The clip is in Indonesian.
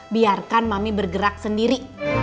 biarkan mami bergerak sendiri